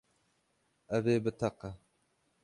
Ev ê biteqe.